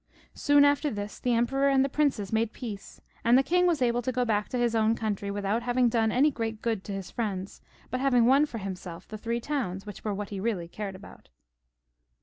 Soon after this the emperor and the princes made peace, and the king was able to go back to his own country without having done any great good to his friends, but having won for himself the three towns, which were what he reaUy cared about.